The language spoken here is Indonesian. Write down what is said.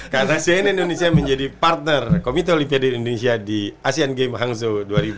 karena cnn indonesia menjadi partner komite olimpiade indonesia di asean games hangzhou dua ribu dua puluh tiga